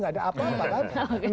ada apa apa kan